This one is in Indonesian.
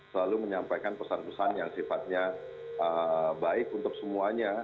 selalu menyampaikan pesan pesan yang sifatnya baik untuk semuanya